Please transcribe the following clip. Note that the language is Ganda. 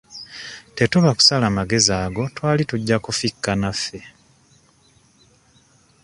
Tetuba kusala magezi ago twali tujja kufikka naffe.